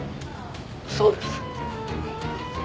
そうです。